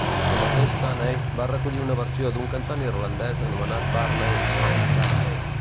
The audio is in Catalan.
El mateix Tunney va recollir una versió d'un cantant irlandès anomenat Barney McGarvey.